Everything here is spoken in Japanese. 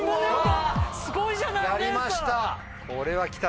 すごいじゃない姉さん。